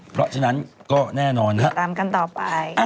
เพราะฉะนั้นก็แน่นอนนะครับตามกันต่อไป